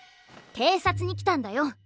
偵察に来たんだよ。